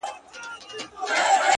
عجیبه ده لېونی آمر مي وایي!